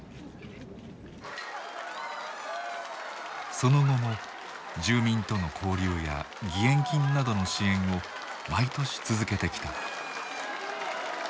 その後も住民との交流や義援金などの支援を毎年続けてきた。